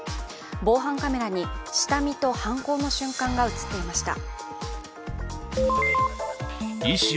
防犯カメラに下見と犯行の瞬間が映っていました。